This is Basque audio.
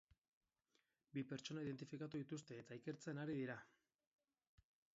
Bi pertsona identifikatu dituzte, eta ikertzen ari dira.